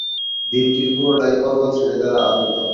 দ্বীপটির পুরোটাই পর্বত শ্রেণী দ্বারা আবৃত।